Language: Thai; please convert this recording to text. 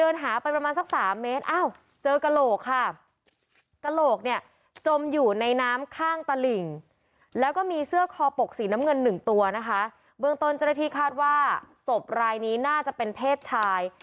นะคะเบื้องตนเจ้าหน้าที่คาดว่าศพรายนี้น่าจะเป็นเพศชาย